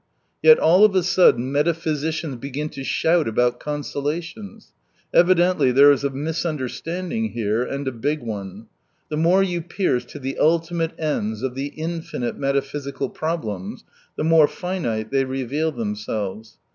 Yet all of a sudden meta physicians begin to shout about consola tions. Evidently there is a misunderstand ing here, and a big one. The more you pierce to the ultimate ends of the " infinite " metaphysical problems, the more finite they reveal themselves.